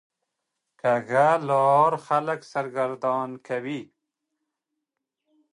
کوږه لار خلک سرګردانه کوي